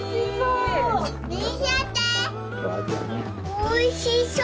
おいしそう！